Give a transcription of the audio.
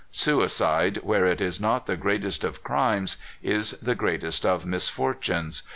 Sui cide, where it is not the greatest of crimes, is the greatest of misfortunes.